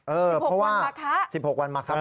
เออเพราะว่า๑๖วันมรรคบุคค้า